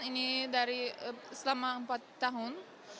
ini dari selama empat tahun